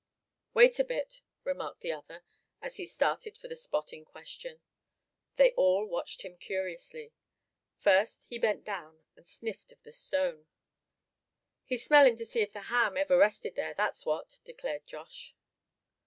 "Wait a bit," remarked the other, as he started for the spot in question. They all watched him curiously. First he bent down, and sniffed of the stone. "He's smelling to see if the ham ever rested there, that's what," declared Josh.